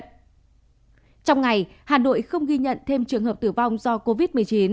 trong ngày hà nội không ghi nhận thêm trường hợp tử vong do covid một mươi chín